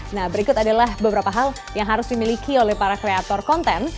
nah berikut adalah beberapa hal yang harus dimiliki oleh para kreator konten